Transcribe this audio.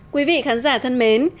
quý vị khán giả thân mến